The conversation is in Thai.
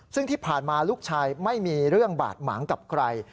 ซึ่งที่ผ่านมาลูกชายไม่มีเรื่องบาดหมางกับใคร